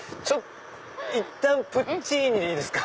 いったん「プッチィーニ」でいいですか？